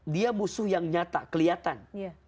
dia musuh yang nyata kelihatan